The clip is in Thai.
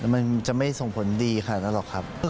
มันจะไม่ส่งผลดีขนาดนั้นหรอกครับ